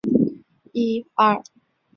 吴荣根被调至政治作战学校担任讲师。